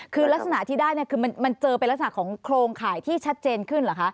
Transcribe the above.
คือลักษณะที่ได้เนี่ยคือมันเจอเป็นลักษณะของโครงข่ายที่ชัดเจนขึ้นเหรอคะ